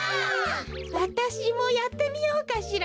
わたしもやってみようかしらね。